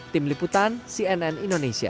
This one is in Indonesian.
tim liputan cnn indonesia